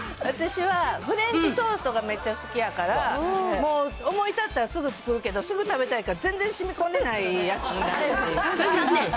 私は、フレンチトーストがめっちゃ好きやから、もう思い立ったらすぐ作るけど、すぐ食べたいから、全然しみこんでないやつになるっていう。